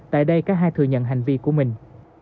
tại đây các hai thừa nhận hành vi của mình